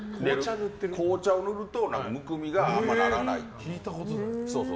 紅茶を塗るとむくみがあんまりならないって。